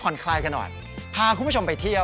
ป้องกัดและบรรเผาสนอภัย